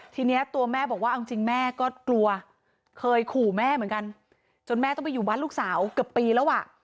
ทีนี้ตัวแม่บอกว่าเอาจริงแม่ก็กลัวเคยขู่แม่เหมือนกันจนแม่ต้องไปอยู่บ้านลูกสาวเกือบปีแล้วอ่ะ